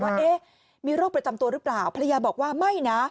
ว่าเอ๊ะมีโรคประจำตัวหรือเปล่าภรรยาบอกว่าไม่นะ